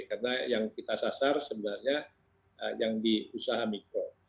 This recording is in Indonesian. karena yang kita sasar sebenarnya yang di usaha mikro